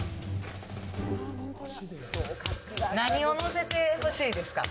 何をのせてほしいですか。